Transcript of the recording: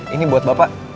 ini buat bapak